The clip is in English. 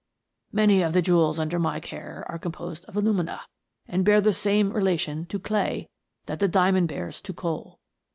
" Many of the jewels under my care are com posed of alumina, and bear the same relation to clay, that the diamond bears to coal.